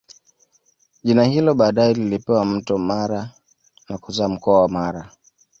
Jina hilo baadae lilipewa Mto Mara na kuzaa mkoa wa Mara